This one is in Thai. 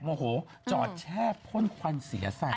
โมโหจอดแช่พ่นควันเสียใส่